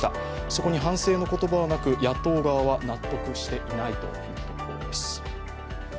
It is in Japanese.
そこに反省の言葉はなく、野党側は納得していないということです。